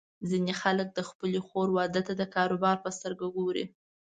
ځینې خلک د خپلې خور واده ته د کاروبار په سترګه ګوري.